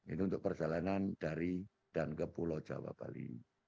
ini untuk perjalanan dari dan ke pulau jawa bali